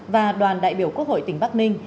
và đoàn đại biểu quốc hội tỉnh bắc ninh